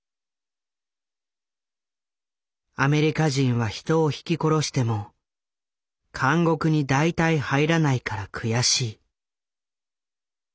「アメリカ人は人をひき殺しても監獄に大体入らないからくやしい」。